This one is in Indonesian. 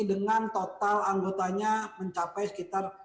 dengan total anggotanya mencapai sekitar